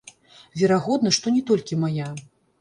Верагодна, што не толькі мая.